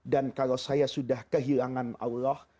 dan kalau saya sudah kehilangan allah